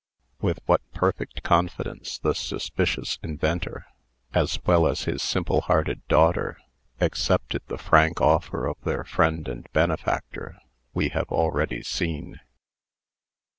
With what perfect confidence the suspicious inventor, as well as his simple hearted daughter, accepted the frank offer of their friend and benefactor, we have already seen.